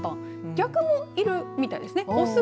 逆もいるみたいですね。